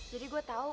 jadi gue tau